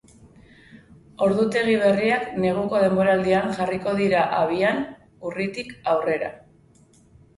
Ordutegi berriak neguko denboraldian jarriko dira abian, urritik aurrera.